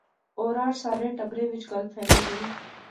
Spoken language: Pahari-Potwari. اورار سارے ٹبرے وچ گل پھیلی گئی